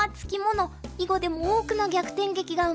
囲碁でも多くの逆転劇が生まれてきました。